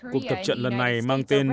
cuộc tập trận lần này mang tên